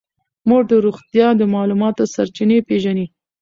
مور د روغتیا د معلوماتو سرچینې پېژني.